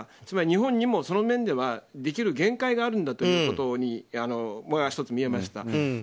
つまり日本にもその面ではできる限界があるんだということが１つ、見えました。